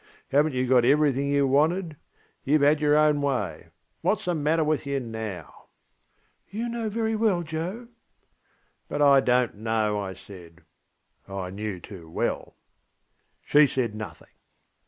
HavenŌĆÖt you got everything you wanted? YouŌĆÖve had your own way. WhatŌĆÖs the matter with you now? ŌĆÖ ŌĆśYou know very well, Joe.ŌĆÖ ŌĆśBut I donŌĆÖt know, ŌĆÖ I said. I knew too well. She said nothing.